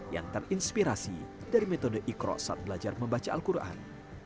yang terinspirasi dari metode ikroksat belajar membaca al quran